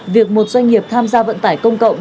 việc một doanh nghiệp tham gia vận tải công cộng